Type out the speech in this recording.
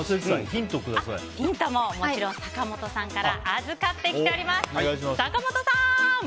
ヒントももちろん坂本さんから預かってきております。